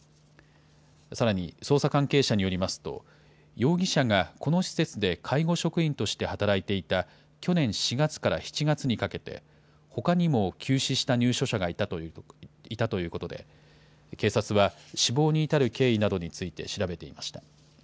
さらに、捜査関係者によりますと、容疑者がこの施設で介護職員として働いていた去年４月から７月にかけて、ほかにも急死した入所者がいたということで、警察は死亡に至る経緯などについて調べていました。